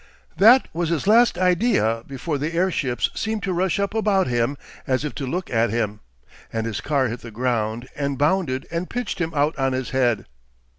That was his last idea before the airships seemed to rush up about him as if to look at him, and his car hit the ground and bounded and pitched him out on his head....